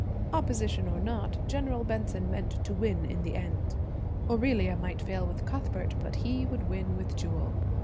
Opposition or not, General Benson meant to win in the end. Aurelia might fail with Cuthbert, but he would win with Jewel.